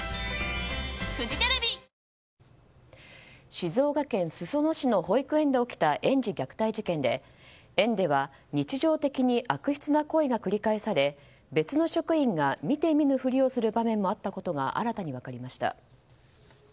静岡県裾野市の保育園で起きた園児虐待事件で園では日常的に悪質な行為が繰り返され別の職員が見て見ぬふりをする場面もあったことが新たに分かりました。